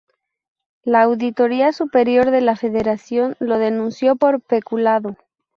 La Auditoría Superior de la Federación lo denunció por peculado.